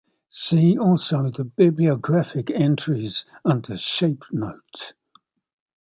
See also the bibliographic entries under Shape note.